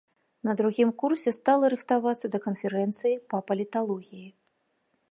На другім курсе стала рыхтавацца да канферэнцыі па паліталогіі.